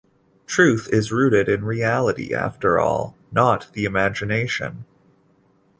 Truth is rooted in reality, after all, not the imagination.